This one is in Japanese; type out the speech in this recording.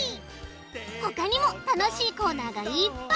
ほかにもたのしいコーナーがいっぱい！